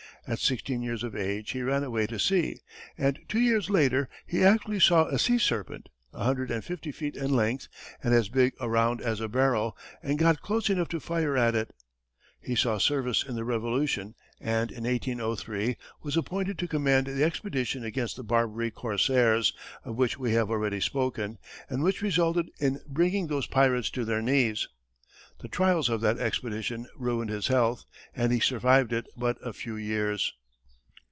At sixteen years of age he ran away to sea, and two years later, he actually saw a sea serpent, a hundred and fifty feet in length and as big around as a barrel, and got close enough to fire at it. He saw service in the Revolution, and in 1803, was appointed to command the expedition against the Barbary corsairs, of which we have already spoken, and which resulted in bringing those pirates to their knees. The trials of that expedition ruined his health, and he survived it but a few years.